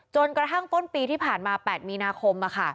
จนกระทั่งต้นปีที่ผ่านมา๘มีนาคม